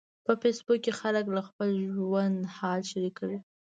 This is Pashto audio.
په فېسبوک کې خلک له خپل ژوند حال شریکوي.